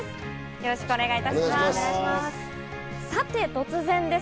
よろしくお願いします。